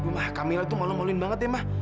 ma kamila tuh malu maluin banget deh ma